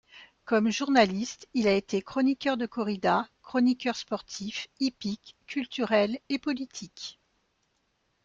Comme journaliste, il a été chroniqueur de corridas, chroniqueur sportif, hippique, culturel et politique.